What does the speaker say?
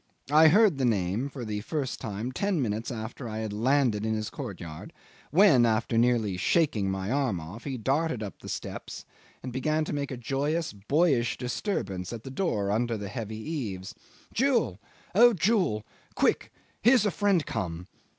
I heard the name for the first time ten minutes after I had landed in his courtyard, when, after nearly shaking my arm off, he darted up the steps and began to make a joyous, boyish disturbance at the door under the heavy eaves. "Jewel! O Jewel! Quick! Here's a friend come